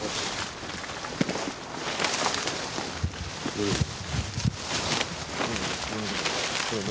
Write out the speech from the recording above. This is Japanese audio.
どれです？